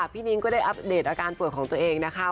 พี่นิ้งก็ได้อัปเดตอาการป่วยของตัวเองนะคะ